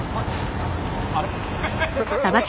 あれ。